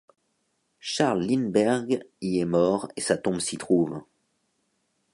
Charles Lindbergh y est mort et sa tombe s'y trouve.